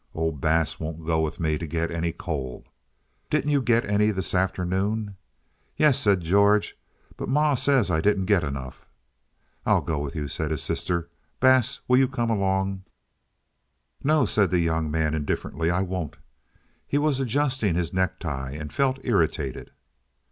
"Oh, Bass won't go with me to get any coal?" "Didn't you get any this afternoon?" "Yes," said George, "but ma says I didn't get enough." "I'll go with you," said his sister. "Bass, will you come along?" "No," said the young man, indifferently, "I won't." He was adjusting his necktie and felt irritated.